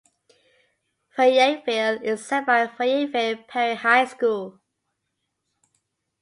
Fayetteville is served by Fayetteville-Perry High School.